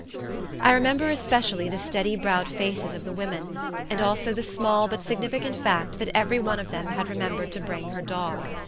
I remember especially the steady browed faces of the women; and also the small but significant fact that every one of them had remembered to bring her dog.